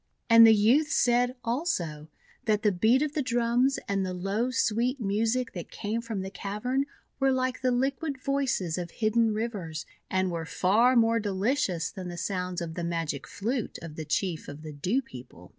And the youths said, also, that the beat of drums and the low, sweet music that came from the cavern were like the liquid voices of hidden rivers, and were far more delicious than the sounds of the magic flute of the Chief of the Dew People.